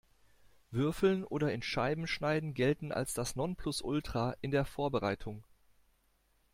Würfeln oder in Scheiben schneiden gelten als das Nonplusultra in der Vorbereitung.